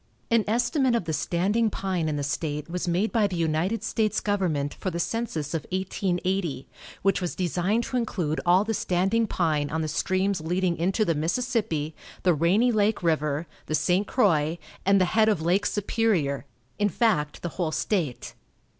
An estimate of the standing pine in the state was made by the United States government for the census of 1880, which was designed to include all the standing pine on the streams leading into the Mississippi, the Rainy Lake river, the St. Croix, and the head of Lake Superior; in fact, the whole state.